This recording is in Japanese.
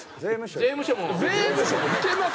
税務署も行けます。